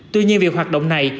tuy nhiên việc hoạt động này